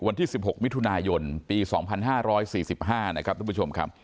วันที่สิบหกวิทุนายนปีสองพันห้าร้อยสี่สิบห้านะครับทุกผู้ชมครับ